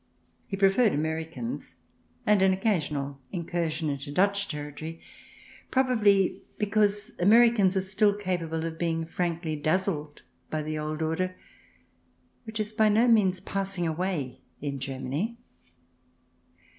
He preferred Americans, with an occasional incursion into Dutch territory — Americans, probably, because they are still capable of being frankly dazzled by the old order, which is by no means passing away in Germany.